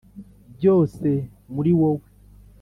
byose muri wowe.